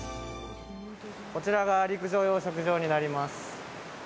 こちらが陸上養殖場になります。